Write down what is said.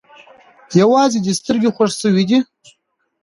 يوازې دې سترگه خوږ سوې ده.